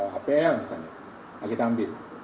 hpl misalnya kita ambil